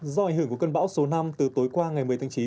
do ảnh hưởng của cơn bão số năm từ tối qua ngày một mươi tháng chín